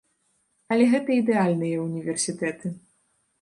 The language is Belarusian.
Але гэта ідэальныя ўніверсітэты.